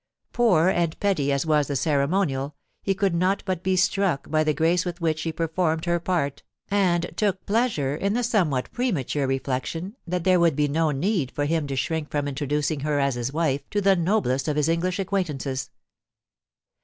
Poor and petty as was the ceremonial, he could not but be struck by the grace with which she performed her part, and took pleasure in the somewhat premature re flection that there would be no need for him to shrink from introducing her as his wife to the noblest of his English acquaintances.